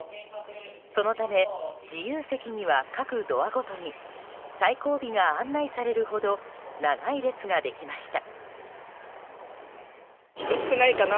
そのため、自由席には各ドアごとに最後尾が案内されるほど長い列ができました。